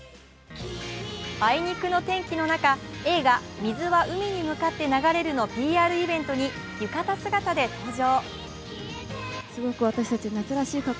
あいにくの天気の中、映画「水は海に向かって流れる」のＰＲイベントに浴衣姿で登場。